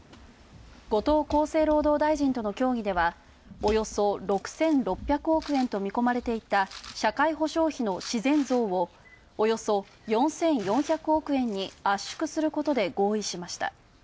後藤厚生労働大臣との協議では、およそ６６００億円と見込まれていた社会保障費の自然増を、およそ４４００億円に圧縮することで合意しました。